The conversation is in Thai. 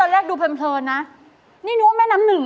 น้องสาวเป็นน้ำหนึ่ง